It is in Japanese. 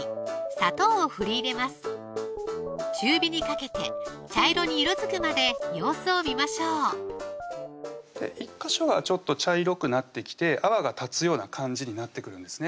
砂糖を振り入れます中火にかけて茶色に色づくまで様子を見ましょう１ヵ所はちょっと茶色くなってきて泡が立つような感じになってくるんですね